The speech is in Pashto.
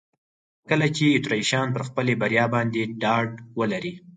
کله چې اتریشیان پر خپلې بریا باندې ډاډ ولري.